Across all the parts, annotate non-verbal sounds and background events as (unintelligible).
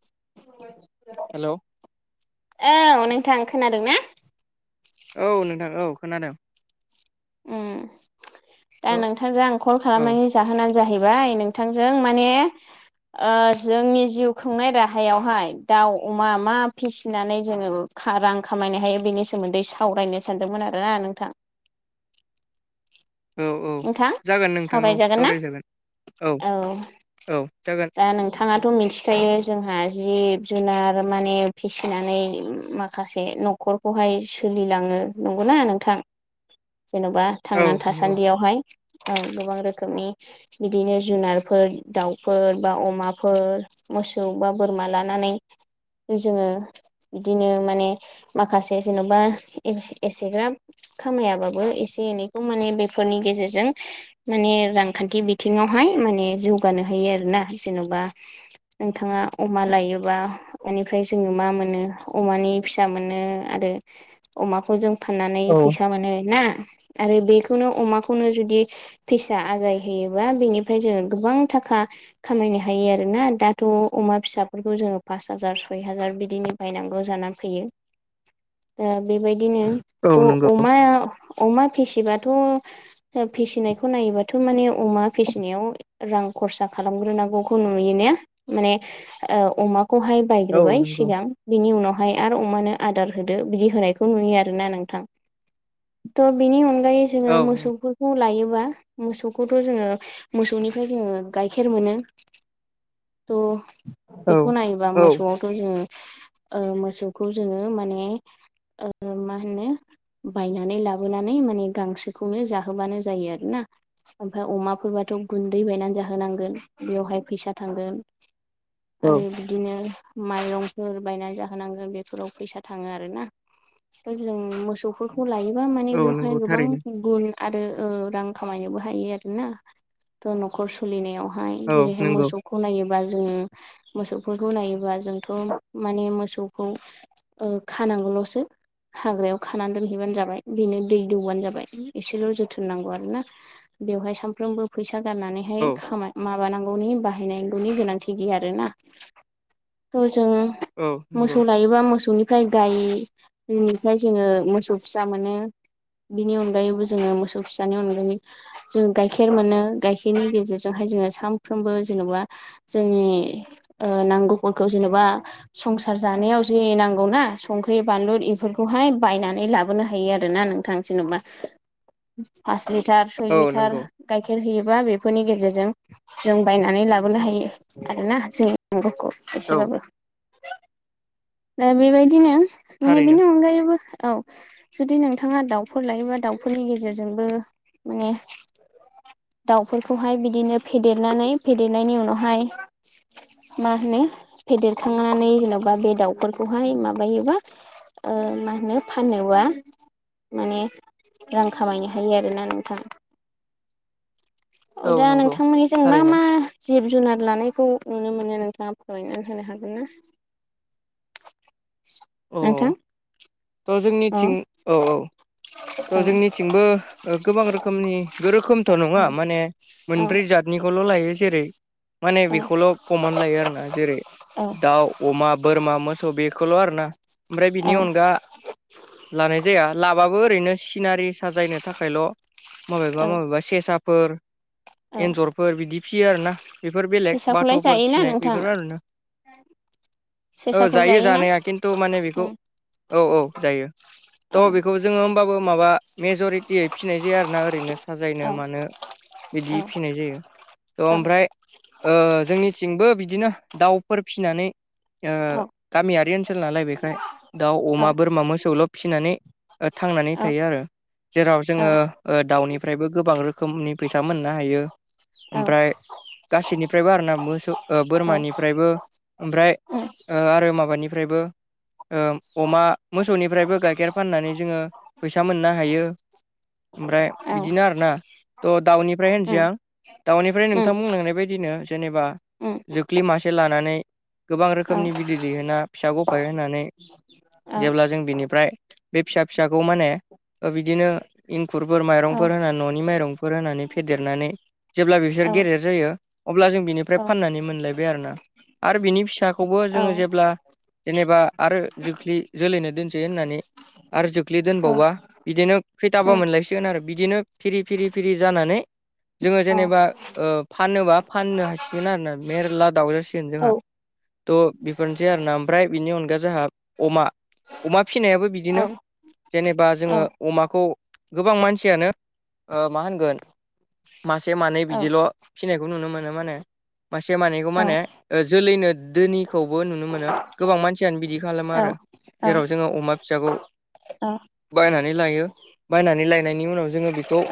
(unintelligible) हेल' औ नोंथां खोनादों ना औ नोंथां औ खोनादों दा औ नोंथांजों आं कल औ खालामनायनि जाहोनानो जाहैबाय नोंथांजों माने जोंनि जिउ खुंनाय राहायावहाय दाउ अमा मा फिसिनानै जोङो रां खामायनो हायो बेनि सोमोन्दै सावरायनो सानदोंमोन आरोना नोंथां औ औ नोंथां जागोन नोंथां औ सावरायजागोन औ औ जागोन नोंथांङाथ' मिथिखायो जोंहा जिब जुनार माने फिसिनानै माखासे नखर न'खरखौहाय सोलिलाङो नंगौना नोंथां जेन'बा औ थांनानै नंगौ थासान्दियाव हाय गोबां रोखोमनि बिदिनो जुनारफोर दाउफोर बा अमाफोर मोसौ बा बोरमा लानानै जोङो बिदिनो माने माखासे जेनेबा एसेग्राब खामायाबाबो एसे एनैखौ माने बेफोरनि गेजेरजों माने रांखान्थि बिथिङावहाय माने जौगानो होयो आरोना जेन'बा नोंथाङा अमा लायोबा बेनिफ्राय जोङो मा मोनो अमानि फिसा मोनो आरो अमाखौ जों फाननानै औ फैसा मोनो ना आरो बेखौनो अमाखौनो जुदि फिसा आजाय होयोबा बेनिफ्राय जोङो गोबां थाखा खामायनो हायो आरोना दाथ' अमा फिसाफोरखौ जोङो पास हाजार सय हाजार बिदिनो बायनांगौ जानानै फैयो दा बेबायदिनो औ त' नंगौ अमाया अमा फिसिबाथ' फिसिनायखौ नायोबाथ' माने अमा फिसिनायाव रां खरसा खालामग्रोनांगौखौ नुयो ने माने अमाखौहाय औ बायग्रोबाय नंगौ सिगां बिनि उनावहाय आरो अमानो आदार होदो बिदि होनायखौ नुयो आरोना नोंथां त' बिनि अनगायै जोङो औ मोसौ नों बेफोरखौ लायोबा मोसौखौथ' जोङो मोसौनिफ्राय जोङो गाइखेर मोनो थ' औ बेखौ नायोबा औ मोसौ खौ जोङो मोसौखौ जोङो माने मा होनो बायनानै लाबोनानै माने गांसोखौ खौनो जाहोबानो जायो आरोना ओमफ्राय अमाफोरबाथ' गुन्दै बायनानै जाहोनांगोन बेयावहाय फैसा थांगोन औ आरो बिदिनो माइरंफोर बायनानै जाहोनांगौ बेफोराव फैसा थाङो आरोना जों मोसौफोरखौ लायोबा माने औ नंगौ बेवहाय गोबां थारैनो गुन आरो रां खामायनोबो हायो आरो ना न'खर सोलिनायावहाय औ जेरैहाय नंगौ मोसौ खौ नायोबा जोङो मोसौफोरखौ नायोबा जोंथ' माने मोसौखौ खानांगौल'सो हाग्रायाव खानानै दोनहैबानो जाबाय बेनो दै दौबानो जाबाय एसेल' जोथोन नांगौ आरोना बेवहाय सानफ्रोमबो फैसा गारनानैहाय औ खामाय माबानांगौनि बाहायनांगौनि गोनांथि गैया आरोना थ' जों औ नंगौ मोसौ लायो बा मोसौनिफ्राय गायनिफ्राय जोङो मोसौ फिसा मोनो बिनि अनगा अनगायैबो जोङो मोसौ फिसानि अनगायै जों गाइखेर मोनो गाइखेरनि गेजेरजोंहाय जोङो सानफ्रोमबो जेनेबा जोंनि नांगौफोरखौ जेनेबा संसार जानायाव जे नांगौना संख्रि बानलु इफोरखौहाय बायनानै लाबोनो हायो आरो ना नों थां जेनेबा पास लिटार सय औ लिटार नंगौ गाइखेर होयोबा बेफोरनि गेजेरजों जों बायनानै लाबोनो हायो आरोना जों नंगौखौ औ एसेबाबो (unintelligible) दा बेबायदिनो माने थारैनो बेनि अनगायैबो औ जुदि नोंथाङा दाउफोर लायोबा दाउफोरनि गेजेरजोंबो माने दाउफोरखौहाय बिदिनो फेदेरनानै फेदेरनायनि उनावहाय मा होनो फेदेरखांनानै जेन'बा बे दाउ बेखौहाय माबायोबा मा होनो फानोबा माने रां खामायनो हायो आरोना नोंथां औ दा नंगौ नोंथांमोननि जों मा थारैनो मा जिब जुनार लानायखौ नुनो मोनो नोंथाङा फोरमायनानै होनो हागोन ना औ नोंथां थ' अ जोंनिथिं औ औ थ' औ जोंनिथिंबो गोबां रोखोमनि रोखोमथ' नङा उम माने औ मोनब्रै जात निखौल' लायो जेरै माने औ बेखौल' कमन लायो आरोना जेरै औ दाउ अमा बोरमा मोसौ बेखौल' आरोना ओमफ्राय औ बिनि अनगा लानाय जाया लाबाबो ओरैनो सिनारि साजायनो थाखायल' औ माबेबा माबेबा सेसा फोर औ एन्जरफोर बिदि फिसियो आरो ना बेफोर बेलेग सेसाखौलाय बाथ'फोर जायोना फिसिनाय नोंथां बेफोर आरोना (inaudible) औ सेसाखौ जायो जायोना जानाया खिन्थु माने बेखौ उम औ औ जायो औ थ' बेखौ जोङो होमबाबो माबा मेज'रिटियै फिनाय जाया आरोना ओरैनो औ साजायनो मानो बिदि औ फिनाय जायो थ' औ ओमफ्राय ओ जोंनिथिंबो बिदिनो दाउफोर फिनानै ओ गामियारि ओनसोल नालाय बेखाय दाउ, औ अमा, बोरमा मोसौल' फिसिनानै ओ थांनानै थायो आरो। जेराव औ जोङो ओ दाउनिफ्रायबो गोबां रोखोमनि फैसा मोननो हायो। औ ओमफ्राय गासैनिफ्रायबो आरोना मोसौ ओ औ बोरमानिफ्रायबो ओमफ्राय औ ओ आरो माबानिफ्रायबो ओ अमा मोसौनिफ्रायबो गाइखेर फानना नानै जोङो फैसा मोननो हायो ओमफ्राय बिदिनो आरोना। थ' दाउनिफ्राय होनसै आं दाउनिफ्राय नोंथां बुंलांनाय बायदिनो जेनेबा जोख्लि मासे लानानै गोबां रोखोमनि बिदै दैहोना फिसा गौफाइ होनानै जेब्ला जों बिनिफ्राय बे फिसा फिसाखौ माने ओ बिदिनो इंखुरफोर माइरंफोर होनानै न'नि माइरंफोर होनानै फेदेरनानै जेब्ला बिसोर गेदेर जायो अब्ला जों बिनिफ्राय फाननानै मोनलायबाय आरोना। आरो बिनि फिसाखौबो जोङो जेब्ला जेनेबा आरो जोख्लि जोलैनो दोनसै होननानै आरो जोख्लि दोनबावबा बिदिनो खैथाबा मोनलायसिगोन आरो बिदिनो फिरि फिरि फिरि जानानै जोङो जेनेबा ओ फानोबा फाननो हासिगोन आरोना मेरला दाउ जा सिगोन जोंहा थ' बेफोरनोसै आरोना ओमफ्राय बेनि अनगा जोंहा अमा अमा फिनायाबो बिदिनो जेनेबा जोङो अमाखौ गोबां मानसियानो ओ मा होनगोन मासे मानै बिदिल' फिनायखौ नुनो मोनो माने। मासे मानैखौ माने जोलैनो दोनिखौबो नुनो मोनो। गोबां मानसियानो बिदि खालामो आरो जेराव जोङो अमा फिसाखौ बायनानै लायो बायनानै लायनायनि उनाव जोङो बेखौ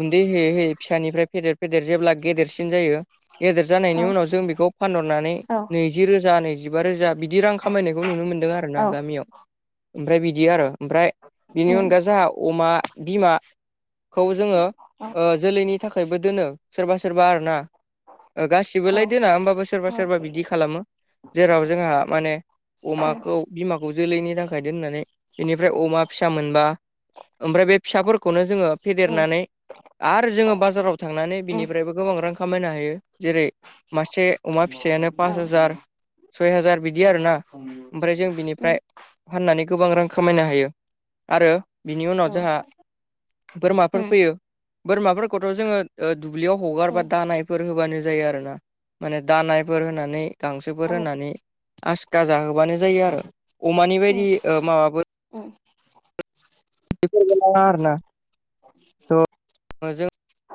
गुन्दै होयै-होयै फिसानिफ्राय फेदेर-फेदेर जेब्ला गेदेरसिन जायो गेदेर जानायनि उनाव जों बेखौ फानहरनानै नैजि रोजा नैजिबा रोजा बिदि रां खामायनायखौ नुनो मोन्दों आरो ना गामियाव। ओमफ्राय बिदि आरो ओमफ्राय बिनि अनगा जाहा अमा बिमा खौ जोङो ओ जोलैनि थाखायबो दोनो सोरबा सोरबा आरो ना ओ गासिबोलाय दोना होमबाबो सोरबा सोरबा बिदि खालामो। जेराव जोंहा माने अमाखौ बिमाखौ जोलैनि थाखाय दोननानै बेनिफ्राय अमा फिसा मोनबा ओमफ्राय बे फिसाफोरखौनो जोङो फेदेरनानै आरो जोङो बाजाराव थांनानै बिनिफ्रायबो गोबां रां खामायनो हायो जेरै मासे अमा फिसायानो पास हाजार सय हाजार बिदि आरोना ओमफ्राय जों बिनिफ्राय फाननानै गोबां रां खा खामायनो हायो आरो बिनि उनाव जोंहा बोरमाफोर फैयो। बोरमाफोरखौथ' जोङो ओ दुब्लियाव हगारबा दानायफोर होबानो जायो आरोना। माने दानायफोर होनानै गांसोफोर होनानै आसखा जाहोबानो जायो आरो अमानि बायदि ओ माबाबो (unintelligible)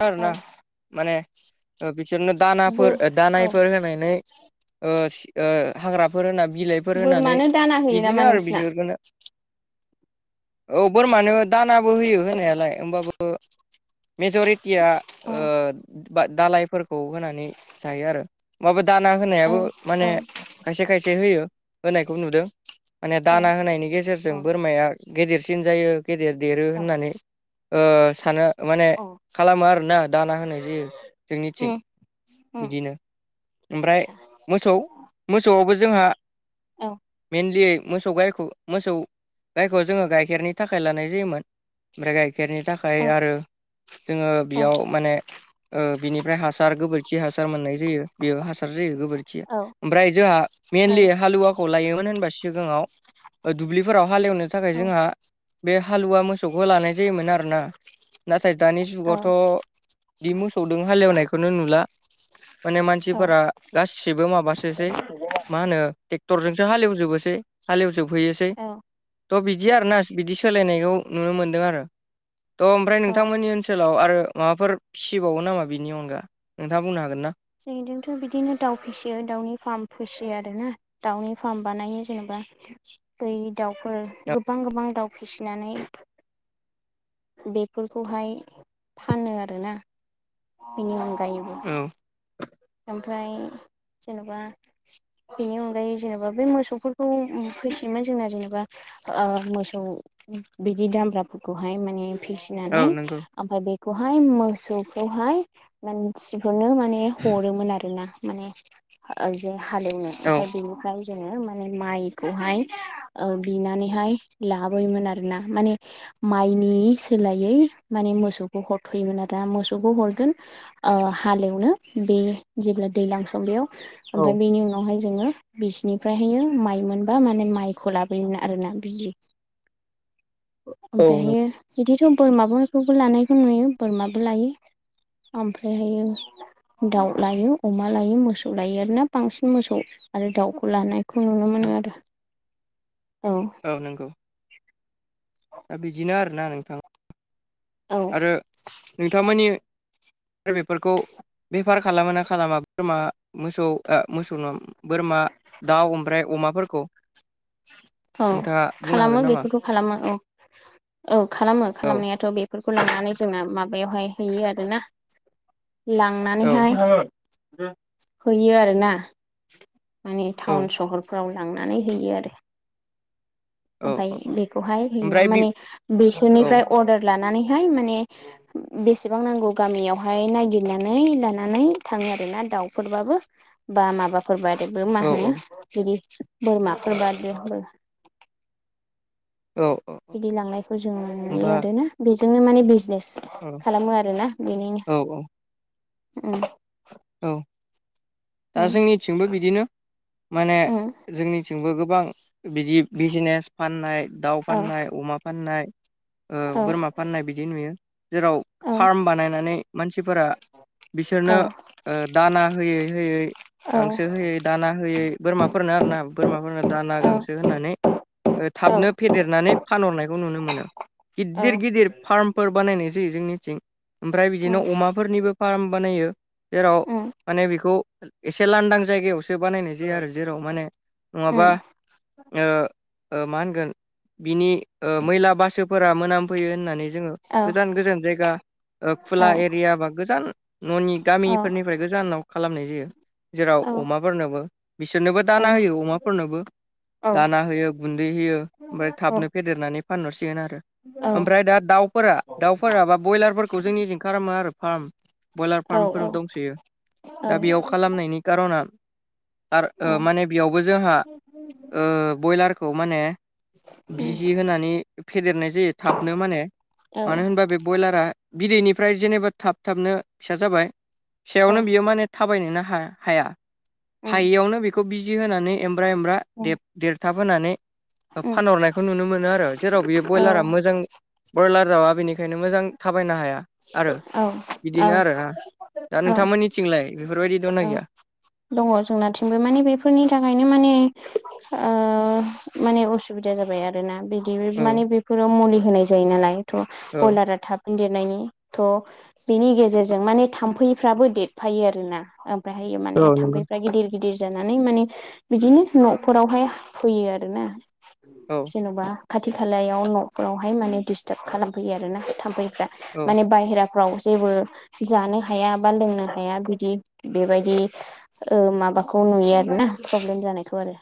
आरोना माने ओ बिसोरनो दानाफोर दानायफोर होनानै ओ सि ओ हाग्राफोर होना बिलाइफोर होनानै बोरमानो दाना होयो नामा बिदिनो आरो नोंसिना बिहर गोनो बोरमानो दानाबो होयो होनायालाय होमबाबो मेज'रिटिया औ ओ बा दालायफोरखौ होनानै जायो आरो माबा दाना औ होनायाबो औ माने खायसे खायसे होयो होनायखौ नुदों। माने दाना होनायनि गेजेरजों औ बोरमाया गेदेरसिन जायो गेदेर देरो होननानै ओ सानो माने औ खालामो आरोना दाना होनाय जायो जोंनिथिं आदसा बिदिनो ओमफ्राय मोसौ मोसौआवबो जोंहा औ मेइनलि मोसौ गायखौ मोसौ गायखौ जोङो गाइखेरनि थाखाय लानाय जायोमोन ओमफ्राय गाइखेरनि औ थाखाय आरो जोङो औ बेयाव माने ओ बिनिफ्राय हासार गोबोरखि हासार मोननाय जायो बेयो हासार जायो गोबोरखिया औ ओमफ्राय जोंहा मेनलि हालुवाखौ लायोमोन होनबा सिगाङाव दुब्लिफोराव हालेवनो थाखाय औ औ। जोंहा बे हालुवा मोसौखौ लानाय जायोमोन आरो ना नाथाय दानि जुगावथ' बि मोसौदों हालेवनायखौनो नुला माने मानसिफोरा गासिबो माबासोसै मा होनो ट्रेक्टरजोंसो हालेवजोबोसै हालेवजोबहैयोसै थ' बिदि आर ना बिदि सोलायनायखौ नुनो मोनदों आरो थह ओमफ्राय नों नोंथांमोननि ओनसोलाव आरो माबाफोर फिसिबावो नामा बिनि अनगा नोंथाङा बुंनो हागोन ना? जोंथ' बिदिनो दाउ फिसियो दाउनि फार्म फिसियो आरोना दाउनि फार्म बानायो जेनेबा दै दाउफोर गोबां गोबां दाउ फिसिनानै बेफोरखौहाय फानो आरोना बेनि अनगायै औ ओमफ्राय जेन'बा बेनि अनगायै जेनेबा बे मोसौफोरखौ फिसियोमोन जोंना जेनेबा ओ मोसौ बिदि दामब्राफोरखौहाय माने फिसि औ फिनानै नंगौ ओमफफाय बेखौहाय मोसौखौहाय मानसिफोरनो माने हरोमोन आरो ना माने जे हालेवनो औ ओमफ्राय बेनिफ्राय जोङो माने माइखौहाय बिनानैहाय लाबोयोमोन आरोना माने माइनि सोलायै माने मोसौखौ हरथ'योमोन आरोना मोसौखौ हरगोन ओ हालेवनो बे जेब्ला दैज्लां समं बेयाव औ ओमफ्राय उनावहाय जोङो बिसिनिफ्रायहायो माइ मोनबा माने माइखौ लाबोयोमोन आरोना बिदि औ नों ओफाहायो बिदिथ' बोरमाफोरखौबो लानायखौ नुयो बोरमाबो लायो ओमफ्रायहायो दाउ लायो अमा लायो मोसौ लायो आरोना बांसिन मोसौ आरो दाउखौ लानाय खौ नुनो मोनो आरो औ औ नंगौ दा बिदिनो आरोना नोंथां आरो नोंथां मानि आरो बेफोरखौ बेफार खालामो ना खालामा बोरमा मोसौ मोसौ नङा बोरमा दाउ ओमफ्राय अमाफोरखौ औ नोंथाङा बुंनो खालामो हागोन नामा बेखौथ' खालामो औ औ खालामो औ खालामनायाथ' बे बेफोरखौ लानानै जोंना माबायावहाय हैयो आरोना औ लांनानैहाय होयो आरोना माने औ टाउन सहर फ्रव लांनानै हैयो आरो औ ओमफाय औ बेखौहाय हैनो ओमफ्राय बि माने औ बिसोरनिफ्राय अर्डार लानानैहाय माने बेसेबां नांगौ गामियावहाय नागिरनानै लानानै थाङो आरोना दाउफोरबाबो बा माबाफोरबादबो मा औ होनो बिदि बोरमाफोर बबो औ बिदि लांनायखौ जों नुयो होमबा आरो ना बेजोंनो माने बिजनेस औ खालामो आरोना औ बेनिनो औ दा उम जोंनिथिंबो बिदि बिदिनो माने उम जोंनिथिंबो गोबां बिदि बिजनेस फाननाय दाउ औ फाननाय अमा फाननाय औ बोरमा ओ फाननाय बिदि नुयो जेराव औ फार्म बानायनानै मानसिफोरा औ बिसोरनो ओ दाना होयै होयै औ गांसो होयै दाना होयै बोरमाफोरनो आरोना बोरमाफोरनो दाना औ गांसो होननानै थाबनो औ फेदेरनानै फानहरनायखौ नुनो मोनो औ गिदिर गिदिर फार्मफोर बानायनाय जायो जोंनिथिं ओमफ्राय बिदिनो उम अमाफोरनिबो फार्म बानायो जेराव उम माने बेखौ एसे लांदां जायगायावसो बानायनाय जायो आरो जेराव माने नङाबा उम मा होनगोन बिनि मैला बासोफोरा मोनाम फैयो होननानै जोङो औ गोजान गोजान जायगा औ खुला एरिया बा गोजान न'नि औ गामिफोरनिफ्राय गोजानाव खालामनाय जायो जेराव औ अमाफोरनोबो बिसोरनोबो औ दाना होयो अमाफोरनोबो औ दाना होयो गुन्दै होयो ओमफ्राय थाबनो फेदेरनानै फानहरसिगोन आरो ओमफ्राय दा दाउफोरा दाउफोराबा ब्रयलारफोरखौ जोंनिजो खारामो आरो फार्म ब्रयलार फार्मफोर दंसैयो दा बेयाव खालामनायनि खार'ना आरो माने बेयावबो जोंहा बयलारखौ माने बिजि होनानै फेदेरनाय जायो थाबनो माने मानो होनबा बे ब्रयलारा बिदैनिफ्राय जेनेबा थाब थाबनो फिसा जाबाय औ फिसायावनो बियो माने थाबायनोनो हा हाया उम हायैयावनो बेखौ बिजि होनानै एमब्रा एमब्रा उम देरथाब होनानै उम फानहरनायखौ नुनो मोनो आरो जेराव बेयो औ बयलारा मोजां ब्रयलार दावआ बेनिखायनो मोजां थाबायनो हाया आरो औ बिदिनो औ आरोना दा औ नोंथांमोननिथिंलाय बेफोरबायदि औ दंना गैया दङ जोंनाथिंबो माने बेफोरनि थाखायनो माने माने असुबिदा जाबाय आरोना बि औ माने बेफोराव मुलि होनाय जायो नालाय थ औ ब्रयलारा थाब देरनायनि थ' बिनि गेजेरजों माने थाम्फैफ्राबो देरफायो आरोना ओमफ्रायहायो माने औ नंगौ थाम्फैफ्रा गिदिर गिदिर जानानै माने बिदिनो न'फोरावहाय फैयो आर ना औ जेन'बा खाथि खालायाव न'फ्रावहाय माने दिडिस्टार्ब खालामफैयो आरो ना थाम्फैफ्रा औ माने बाहेरा फ्राव जेबो जानो हाया बा लोंनो हाया बिदि बेबायदि माबाखौ नुयो आरो ना प्रब्लेम जानायखौ आरो